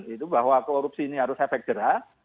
itu bahwa korupsi ini harus efek jerah